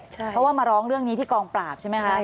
เพราะว่ามาร้องเรื่องนี้ที่กองปราบใช่ไหมคะ